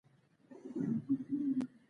یوټوبر دې د خلکو احساسات ونه کاروي.